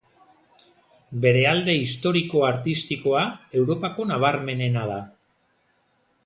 Bere alde historiko-artistikoa Europako nabarmenena da.